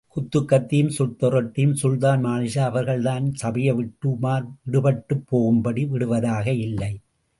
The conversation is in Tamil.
குத்துக் கத்தியும் சுட்ட ரொட்டியும் சுல்தான் மாலிக்ஷா அவர்கள் தன் சபையைவிட்டு உமார் விடுபட்டுப் போகும்படி விடுவதாக இல்லை.